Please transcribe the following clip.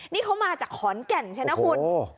นี่เขามาจากขอนแก่นใช่ไหมคุณ